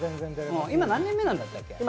今、何年目なんだっけ？